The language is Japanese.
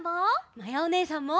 まやおねえさんも！